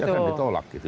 pasti akan ditolak gitu